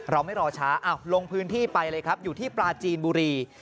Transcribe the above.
ไม่รอช้าลงพื้นที่ไปเลยครับอยู่ที่ปลาจีนบุรี